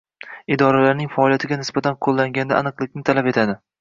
idoralarning faoliyatiga nisbatan qo‘llanganda aniqlikni talab etadi.